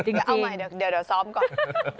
เอาใหม่เดี๋ยวซ้อมก่อน